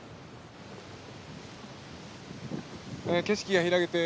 景色が開けて